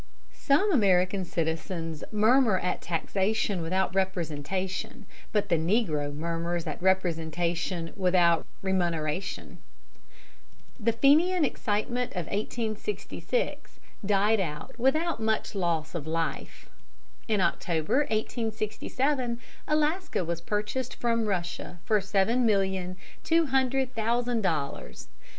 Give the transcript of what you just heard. Some American citizens murmur at taxation without representation, but the negro murmurs at representation without remuneration. The Fenian excitement of 1866 died out without much loss of life. In October, 1867, Alaska was purchased from Russia for seven million two hundred thousand dollars.